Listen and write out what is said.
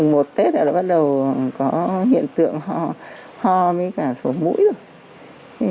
một tết là bắt đầu có hiện tượng ho với cả sổ mũi rồi